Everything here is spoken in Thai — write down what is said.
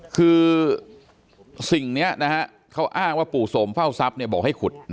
คือสิ่งนี้เขาอ้างว่าปู่โสมเฝ้าทรัพย์บอกให้ขุด